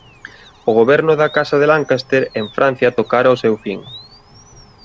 O goberno da Casa de Lancaster en Francia tocara ao seu fin.